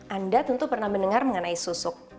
anda tentu pernah mendengar mengenai sosok